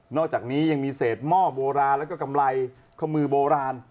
อกจากนี้ยังมีเศษหม้อโบราณแล้วก็กำไรข้อมือโบราณ